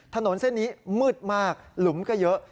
ถนนเส้นนี้มืดมากหลุมก็เยอะ